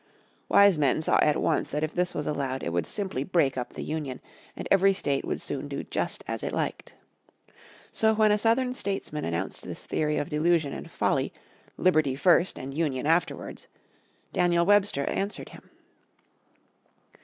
Wise men saw at once that if this was allowed it would simply break up the Union and every state would soon do just as it liked. So when a Southern statesman announced this theory of delusion and folly 'Liberty first and Union afterwards,' Daniel Webster answered him.